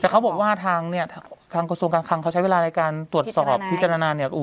แต่เขาบอกว่าทางกษมติการคังเขาใช้เวลาในการตรวจสอบพิจารณาน